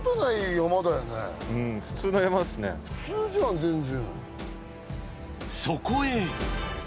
普通じゃん全然。